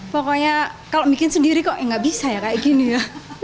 pokoknya kalau bikin sendiri kok ya nggak bisa ya kayak gini ya